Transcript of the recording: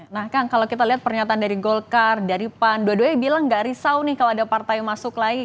nah kang kalau kita lihat pernyataan dari golkar dari pan dua duanya bilang gak risau nih kalau ada partai yang masuk lagi